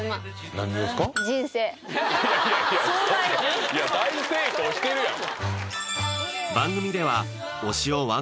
いやいや大成功してるやん！